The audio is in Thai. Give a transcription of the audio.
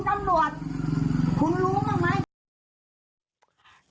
คุณตำรวจคุณรู้ไหม